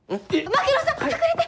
槙野さん隠れて！